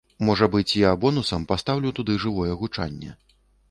Можа быць я бонусам пастаўлю туды жывое гучанне.